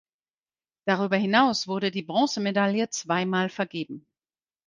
Darüber hinaus wurde die Bronzemedaille zweimal vergeben.